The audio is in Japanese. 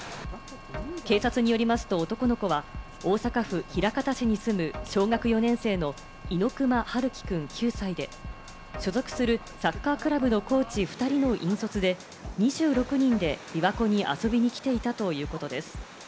警察によりますと男の子は、大阪府枚方市に住む、小学４年生の猪熊遥希くん、９歳で、所属するサッカークラブのコーチ２人の引率で２６人で琵琶湖に遊びに来ていたということです。